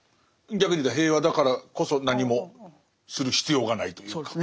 逆にいうと平和だからこそ何もする必要がないというか。